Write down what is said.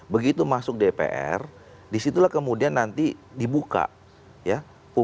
begitu masuk dpr disitulah kemudian nanti dibuka ya